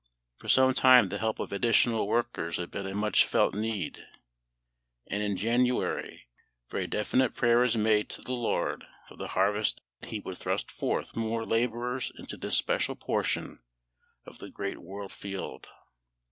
For some time the help of additional workers had been a much felt need; and in January very definite prayer was made to the LORD of the harvest that He would thrust forth more labourers into this special portion of the great world field.